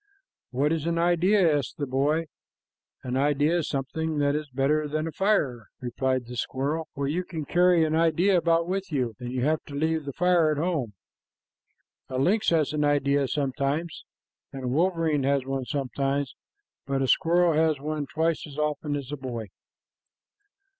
"What is an idea?" asked the boy. "An idea is something that is better than a fire," replied the squirrel, "for you can carry an idea about with you, and you have to leave the fire at home. A lynx has an idea sometimes, and a wolverine has one sometimes, but a squirrel has one twice as often as a boy."